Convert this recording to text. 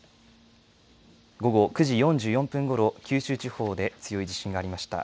午後９時４４分ごろ、九州地方で強い地震がありました。